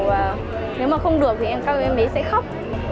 và nếu mà không được thì em các em bé sẽ khóc